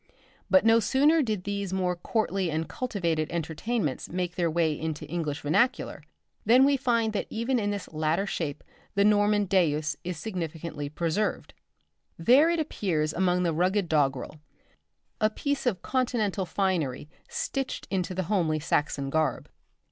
But no sooner did these more courtly and cultivated entertainments make their way into English vernacular, than we find that even in this latter shape the Norman deus is significantly preserved. There it appears among the rugged doggrel, a piece of continental finery stitched into the homely Saxon garb.